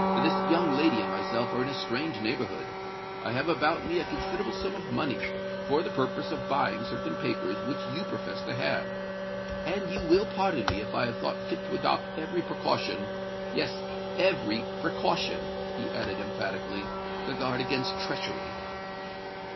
This young lady and myself are in a strange neighbourhood:—I have about me a considerable sum of money, for the purpose of buying certain papers which you profess to have; and you will pardon me if I have thought fit to adopt every precaution—yes, every precaution," he added emphatically, "to guard against treachery."